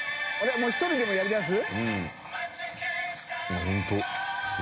もう１人でもやりだす？）